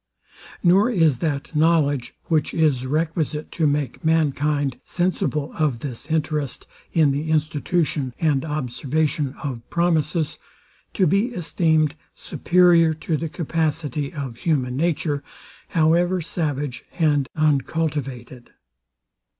Nor is that knowledge, which is requisite to make mankind sensible of this interest in the institution and observance of promises, to be esteemed superior to the capacity of human nature, however savage and uncultivated.